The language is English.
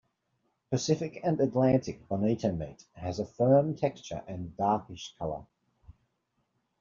Pacific and Atlantic bonito meat has a firm texture and a darkish color.